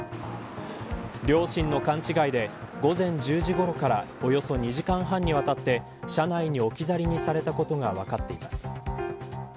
両親の勘違いで午前１０時ごろからおよそ２時間半にわたって車内に置き去りにされたことが分かっています。